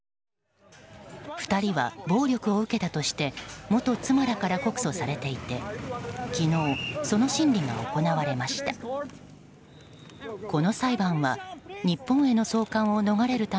２人は暴力を受けたとして元妻らから告訴されていて昨日、その審理が行われました。